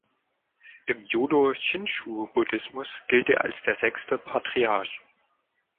Im Jodo-Shinshu-Buddhismus gilt er als der sechste Patriarch.